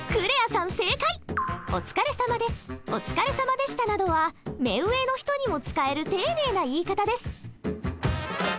「おつかれさまでした」などは目上の人にも使える丁寧な言い方です。